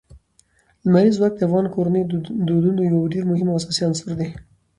لمریز ځواک د افغان کورنیو د دودونو یو ډېر مهم او اساسي عنصر دی.